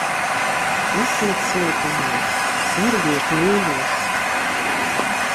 Esiet siltumā. Sargiet mīļos!